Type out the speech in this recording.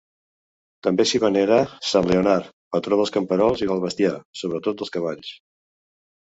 També s'hi venera sant Lleonard, patró dels camperols i del bestiar, sobretot dels cavalls.